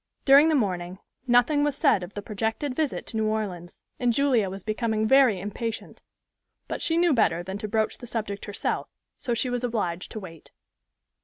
During the morning nothing was said of the projected visit to New Orleans; and Julia was becoming very impatient, but she knew better than to broach the subject herself; so she was obliged to wait.